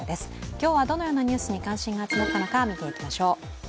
今日はどのようなニュースに関心が募ったのか、見ていきましょう。